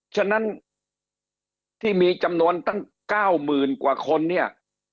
ฉะนั้นที่มีจำนวนตั้ง๙๐๐๐กว่าคนเนี่ย